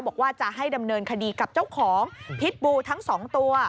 บอกว่าจะให้ดำเนินคดีกับเจ้าของพิษบูทั้งสองตัว